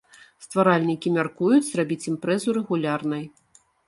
Стваральнікі мяркуюць зрабіць імпрэзу рэгулярнай.